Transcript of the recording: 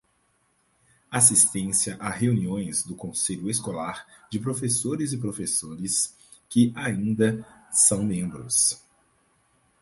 Assistência a reuniões do conselho escolar de professores e professores que ainda são membros.